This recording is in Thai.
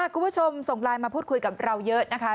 คุณผู้ชมส่งไลน์มาพูดคุยกับเราเยอะนะคะ